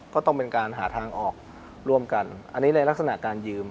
ก็ต้องเป็นการหาทางออกร่วมกันอันนี้ในลักษณะการยืม